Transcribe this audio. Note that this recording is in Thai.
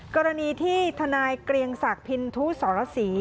กรณีที่ทนายเกรียงศักดิ์พินทุสรสี